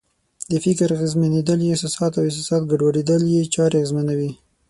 د فکر اغېزمنېدل یې احساسات او د احساساتو ګډوډېدل یې چارې اغېزمنوي.